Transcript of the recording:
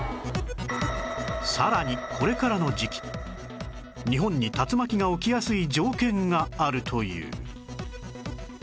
さらにこれからの時期日本に竜巻が起きやすい条件があるという